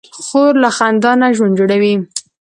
خور له خندا نه ژوند جوړوي.